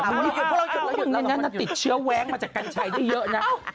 หนึ่งเรานั้นติดเชื้อแว้งมาจากกัญชัยได้เยอะนะ